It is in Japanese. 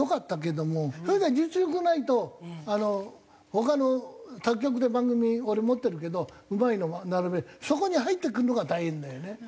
とにかく実力ないと他の他局で番組俺持ってるけどうまいのが並ぶそこに入ってくるのが大変だよね。